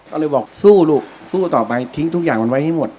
ก็เลยบอกสู้ลูกสู้ต่อไปทิ้งทุกอย่างมันไว้ให้หมด